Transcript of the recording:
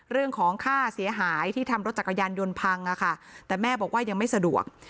เรื่องของค่าเสียหายที่ทำรถจักรยานยนต์พังค่ะแต่แม่บอกว่ายังไม่สะดวก